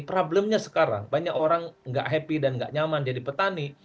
problemnya sekarang banyak orang nggak happy dan gak nyaman jadi petani